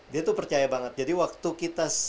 dia tuh percaya banget jadi waktu kita